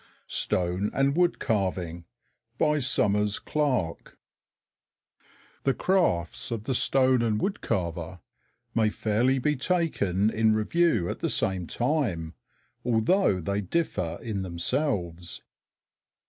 STONE AND WOOD CARVING The crafts of the stone and wood carver may fairly be taken in review at the same time, although they differ in themselves.